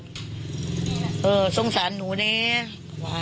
สงสันหนูเนี่ยว่าสงสันหนูเนี่ยมีกระทิแววออกได้จังไหน